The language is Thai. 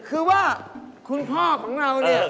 คือว่าคุณพ่อของเราเนี่ย